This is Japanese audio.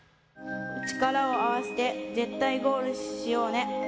力を合わせて絶対ゴールしようね。